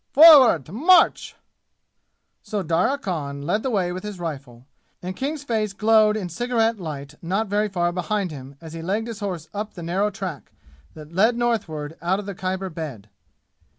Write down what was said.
Forward march!" So Darya Khan led the way with his rifle, and King's face glowed in cigarette light not very far behind him as he legged his horse up the narrow track that led northward out of the Khyber bed.